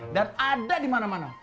ada di mana mana